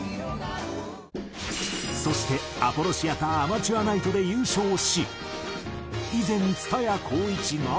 そしてアポロシアターアマチュアナイトで優勝し以前蔦谷好位置が。